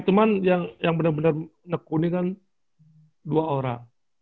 temen yang bener bener nekuni kan dua orang